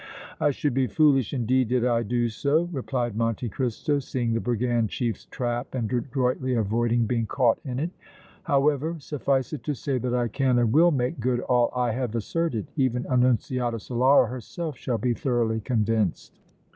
"I should be foolish, indeed, did I do so," replied Monte Cristo, seeing the brigand chief's trap and adroitly avoiding being caught in it. "However, suffice it to say that I can and will make good all I have asserted! Even Annunziata Solara herself shall be thoroughly convinced!"